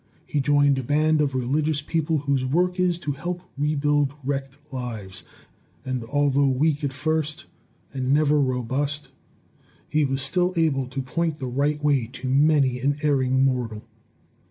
He joined a band of religious people whose work is to help rebuild wrecked lives; and although weak at first and never robust, he was still able to point the right way to many an erring mortal.